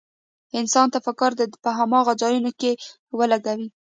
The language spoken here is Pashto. انسان ته پکار ده په هماغو ځايونو کې يې ولګوي.